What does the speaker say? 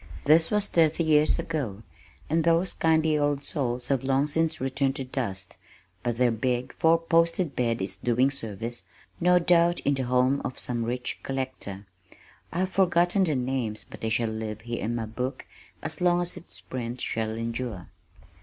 This was thirty years ago, and those kindly old souls have long since returned to dust, but their big four posted bed is doing service, no doubt, in the home of some rich collector. I have forgotten their names but they shall live here in my book as long as its print shall endure.